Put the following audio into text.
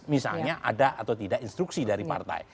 misalnya ada atau tidak instruksi dari partai